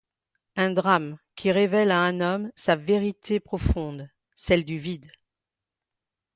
Un drame qui révèle à un homme sa vérité profonde : celle du vide.